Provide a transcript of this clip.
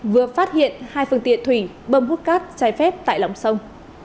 vừa phát hiện hai phương tiện thủy bơm hút cát trái phép tại lòng sông